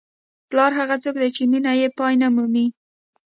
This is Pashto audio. پلار هغه څوک دی چې مینه یې پای نه مومي.